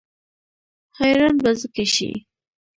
حیران به ځکه شي.